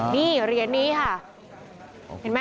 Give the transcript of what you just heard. เหรียญนี้ค่ะ